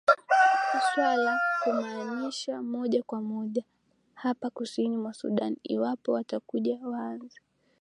swala kumanisha moja kwa moja hapa kusini mwa sudan iwapo watakuja waanze